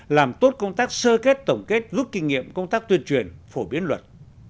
làm tốt công tác sơ kết tổng kết rút kinh nghiệm công tác tuyên truyền phổ biến luật